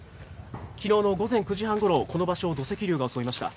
きのうの午前９時半ごろ、この場所を土石流が襲いました。